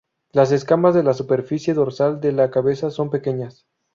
Las escamas de la superficie dorsal de la cabeza son pequeñas.